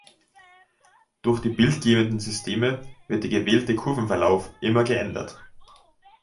Durch die bildgebenden Systeme wird der gewählte Kurvenverlauf immer geändert.